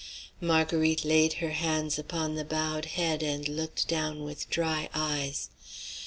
Marguerite laid her hands upon the bowed head and looked down with dry eyes.